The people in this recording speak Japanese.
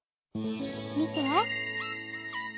みて。